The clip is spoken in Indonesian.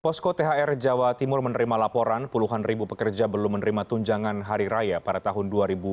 posko thr jawa timur menerima laporan puluhan ribu pekerja belum menerima tunjangan hari raya pada tahun dua ribu dua puluh